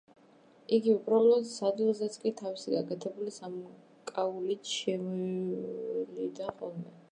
იგი უბრალო სადილზეც კი თავისი გაკეთებული სამკაულით შემოივლიდა ხოლმე.